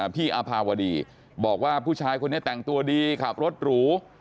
พี่อภาวดีบอกว่าผู้ชายคนนี้แต่งตัวดีขับรถหรู